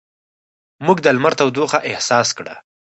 موږ د لمر تودوخه احساس کړه.